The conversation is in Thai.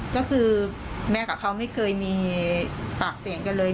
ก็คือแม่กับเขาไม่เคยมีปากเสียงกันเลย